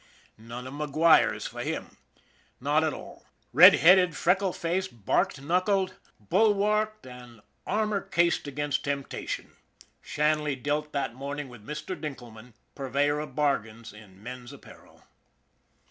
None of MacGuire's for him. Not at all. Red headed, freckle faced, barked knuckled, bul io6 ON THE IRON AT BIG CLOUD warked and armor cased against temptation Shanley dealt that morning with Mr. Dinkelman, purveyor of bargains in men's apparel.